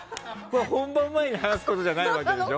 本番前に話すことじゃないわけでしょ。